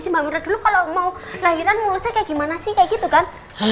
sih retro kalau mau lahiran mursya kayak gimana sih kayak gitu kan